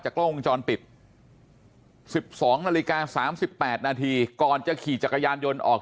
กล้องวงจรปิด๑๒นาฬิกา๓๘นาทีก่อนจะขี่จักรยานยนต์ออก